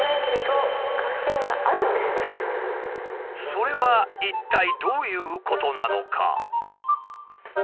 それは一体どういうことなのか？